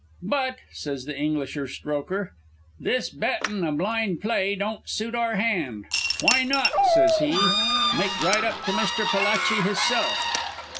"'But,' says the Englisher, Strokher, 'this bettin' a blind play don't suit our hand. Why not' says he, 'make right up to Mister Palachi hisself?'